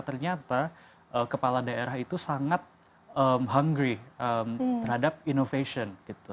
ternyata kepala daerah itu sangat hungry terhadap innovation